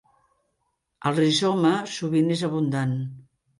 El rizoma sovint és abundant.